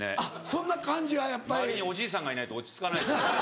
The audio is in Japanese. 周りにおじいさんがいないと落ち着かないですよ。